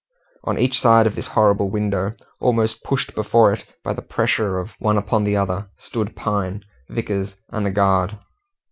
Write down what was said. On each side of this horrible window, almost pushed before it by the pressure of one upon the other, stood Pine, Vickers, and the guard.